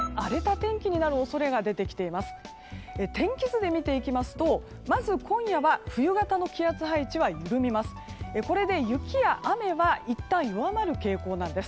天気図で見ていきますとまず今夜は冬型の気圧配置は緩みます。